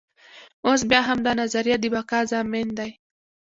اوس بیا همدا نظریه د بقا ضامن دی.